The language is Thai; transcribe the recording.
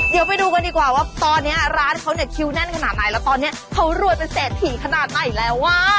เดี๋ยวไปดูกันดีกว่าว่าตอนนี้ร้านเขาเนี่ยคิวแน่นขนาดไหนแล้วตอนนี้เขารวยเป็นเศรษฐีขนาดไหนแล้วว่ะ